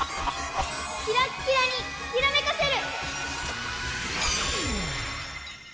キラッキラにキラめかせる！